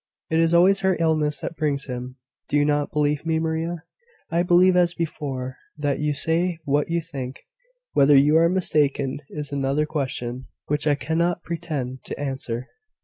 "It is always her illness that brings him. Do you not believe me, Maria?" "I believe, as before, that you say what you think. Whether you are mistaken is another question, which I cannot pretend to answer."